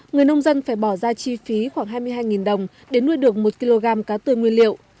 người nông dân phải bỏ ra chi phí khoảng hai mươi hai đồng để nuôi được một kg cá tươi nguyên liệu